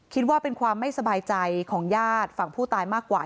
คิดว่าเป็นความไม่สบายใจของญาติฝั่งผู้ตายมากกว่า